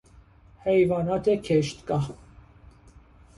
حیوانات کشتگاه